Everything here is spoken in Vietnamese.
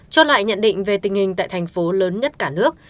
cho lại nhận định về tình hình tại thành phố lớn nhất cả nước